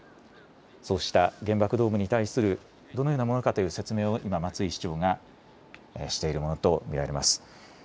そうした原爆ドームに対するどのようなものかという説明を今、松井市長がしているものと見られます。